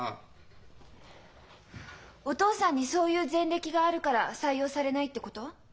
お父さんにそういう前歴があるから採用されないってこと？